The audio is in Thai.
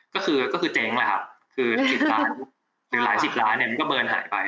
ก็คือก็คือเจ๊งแหละครับคือ๑๐ล้านหรือหลายสิบล้านเนี่ยมันก็เบิร์นหายไป